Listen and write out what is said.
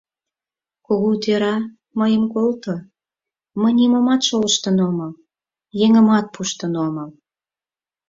— Кугу тӧра, мыйым колто, мый нимомат шолыштын омыл, еҥымат пуштын омыл...